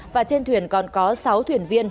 và trên thuyền còn có sáu thuyền viên